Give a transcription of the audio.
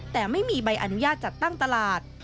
แต่ไม่มีใบอนุญาตจัดตั้งตลาด